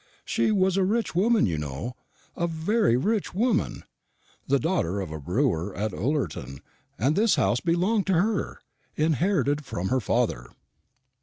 She was a rich woman, you know, a very rich woman the daughter of a brewer at Ullerton; and this house belonged to her inherited from her father.